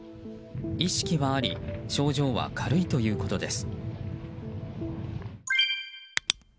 意識はあり症状は軽いということです。